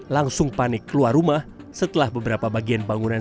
langsung panik keluar rumah setelah beberapa bagian bangunan